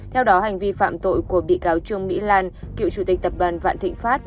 theo đó hành vi phạm tội của bị cáo trương mỹ lan cựu chủ tịch tập đoàn vạn thịnh pháp